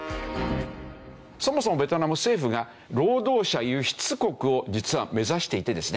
そもそもベトナム政府が労働者輸出国を実は目指していてですね